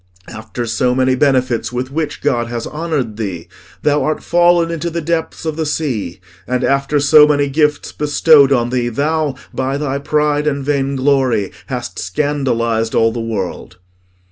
After so many benefits with which God has honoured thee, thou art fallen into the depths of the sea; and after so many gifts bestowed on thee, thou, by thy pride and vainglory, hast scandalised all the world."